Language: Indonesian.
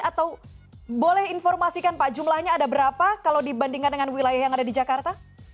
atau boleh informasikan pak jumlahnya ada berapa kalau dibandingkan dengan wilayah yang ada di jakarta